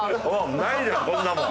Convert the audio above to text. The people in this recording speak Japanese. ないじゃんこんなもん。